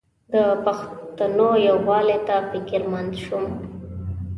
د پښتنو یووالي ته فکرمند شم.